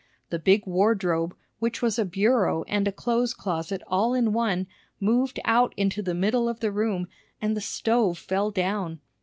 The big wardrobe, which was a bureau and a clothes closet all in one, moved out into the middle of the room, and the stove fell down.